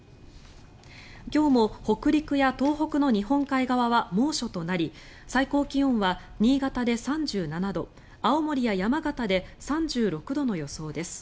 今日も北陸や東北の日本海側は猛暑となり最高気温は新潟で３７度青森や山形で３６度の予想です。